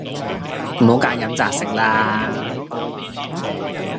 唔好㨂飲擇食啦